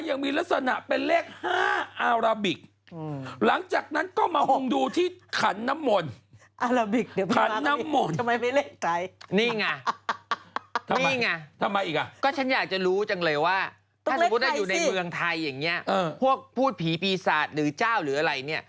ย้ำบ้านที่เรียกรูปที่๑๐